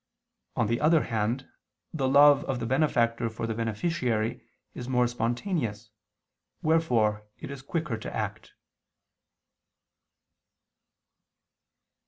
On the other hand, the love of the benefactor for the beneficiary is more spontaneous, wherefore it is quicker to act.